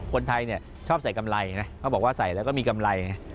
คนไทยเนี่ยชอบใส่กำไรนะเขาบอกว่าใส่แล้วก็มีกำไรไง